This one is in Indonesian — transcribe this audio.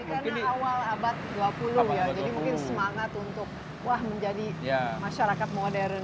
jadi mungkin semangat untuk wah menjadi masyarakat modern